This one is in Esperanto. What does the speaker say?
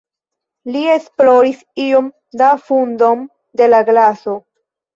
Li esploris iom la fundon de la glaso.